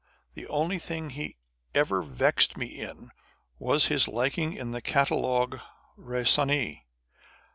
The only thing he ever vexed me in was his liking the Catalogue Itaisonnee.